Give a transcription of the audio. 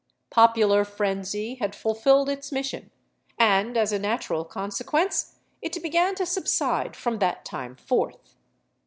Popular frenzy had fulfilled its mission, and, as a natural consequence, it began to subside from that time forth.